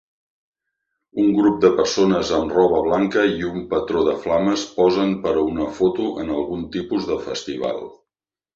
Un grup de persones amb roba blanca i un patró de flames posen per a una foto en algun tipus de festival.